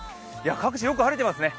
各地、よく晴れてますね。